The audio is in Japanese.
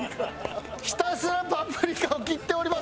ひたすらパプリカを切っております。